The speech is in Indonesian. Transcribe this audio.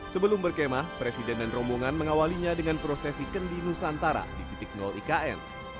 sebelum berkemah presiden dan rombongan mengawalinya dengan prosesi kendi nusantara di titik ikn